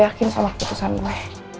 yakin sama keputusan gue